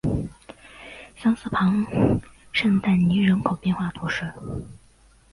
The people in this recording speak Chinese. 桑斯旁圣但尼人口变化图示